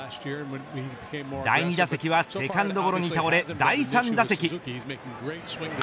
第２打席はセカンドゴロに倒れ第３打席。